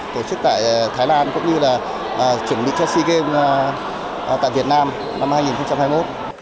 tổ chức tại thái lan cũng như là chuẩn bị cho sea games tại việt nam năm hai nghìn hai mươi một